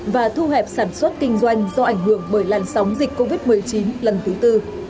và thu hẹp sản xuất kinh doanh do ảnh hưởng bởi làn sóng dịch covid một mươi chín lần thứ tư